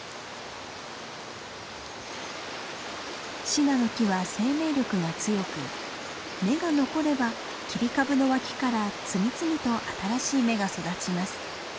シナノキは生命力が強く根が残れば切り株の脇から次々と新しい芽が育ちます。